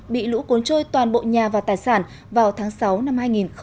bị lũ cuốn trôi toàn bộ nhà và tài sản vào tháng sáu năm hai nghìn một mươi chín